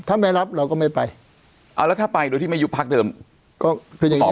ถ้าไม่รับเราก็ไม่ไปเอาแล้วถ้าไปโดยที่ไม่ยุบพักเดิมก็คือยังไงต่อ